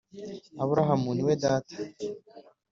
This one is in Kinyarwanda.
Aburahamu ni we data